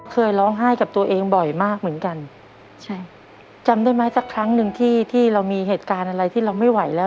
เคยร้องไห้กับตัวเองบ่อยมากเหมือนกันใช่จำได้ไหมสักครั้งหนึ่งที่ที่เรามีเหตุการณ์อะไรที่เราไม่ไหวแล้ว